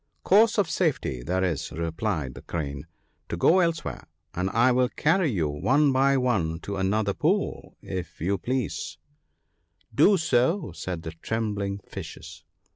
' Course of safety there is,' replied the Crane, ' to go elsewhere ; and I will carry you one by one to another pool, if you please.' PEACE. 125 ' Do so,' said the trembling fishes.